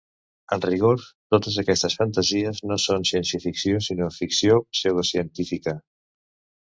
En rigor, totes aquestes fantasies no són ciència-ficció, sinó ficció pseudocientífica.